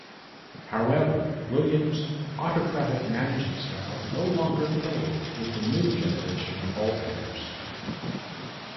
However, Williams' autocratic managing style no longer played with the new generation of ballplayers.